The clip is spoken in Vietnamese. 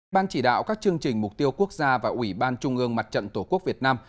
ban chỉ đạo các chương trình mục tiêu quốc gia và ủy ban trung ương mặt trận tổ quốc việt nam